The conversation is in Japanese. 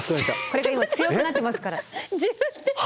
これが今強くなってますから。